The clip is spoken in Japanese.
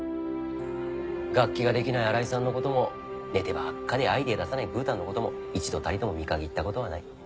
楽器ができない荒井さんのことも寝てばっかでアイデア出さないブーたんのことも一度たりとも見限ったことはない。